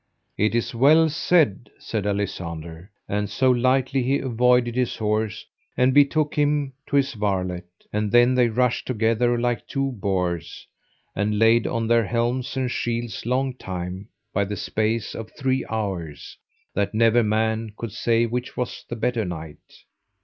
It is well said, said Alisander; and so lightly he avoided his horse and betook him to his varlet. And then they rushed together like two boars, and laid on their helms and shields long time, by the space of three hours, that never man could say which was the better knight.